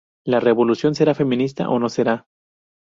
La revolución será feminista o no será.